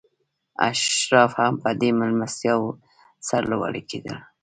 اشراف هم په دې مېلمستیاوو سرلوړي کېدل.